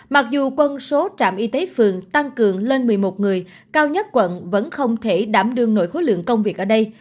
mặc dù quân số trạm y tế phường tăng cường lên một mươi một người cao nhất quận vẫn không thể đảm đương nội khối lượng công việc ở đây